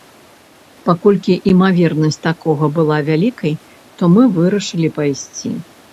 Паколькі імавернасць такога была вялікай, то мы вырашылі пайсці.